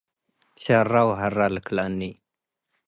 ሸረ ወሀረ ልክለአኒ..